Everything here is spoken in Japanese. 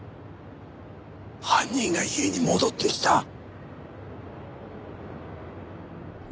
犯人が家に戻ってきた。